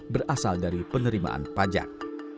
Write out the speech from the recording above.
berasal dari penerimaan pajak